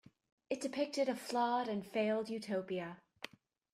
It depicted a flawed and failed utopia.